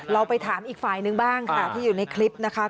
เราไปถามอีกฝ่ายนึงบ้างค่ะที่อยู่ในคลิปนะคะ